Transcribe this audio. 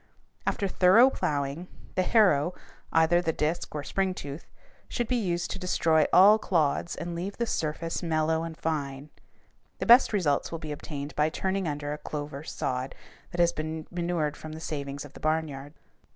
After thorough plowing, the harrow either the disk or spring tooth should be used to destroy all clods and leave the surface mellow and fine. The best results will be obtained by turning under a clover sod that has been manured from the savings of the barnyard.